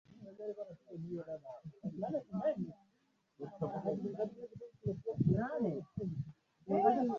Tabia yake ya kutumia dawa za kulevya na pombe